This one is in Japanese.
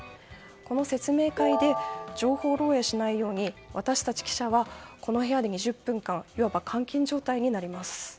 この説明会で情報漏洩しないように私たち記者はこの部屋で２０分間いわば監禁状態になります。